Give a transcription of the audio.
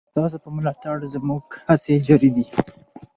ستاسو په ملاتړ زموږ هڅې جاري دي.